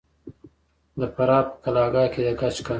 د فراه په قلعه کاه کې د ګچ کان شته.